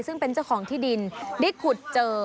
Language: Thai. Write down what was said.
ซึ่งเป็นเจ้าของที่ดินได้ขุดเจอ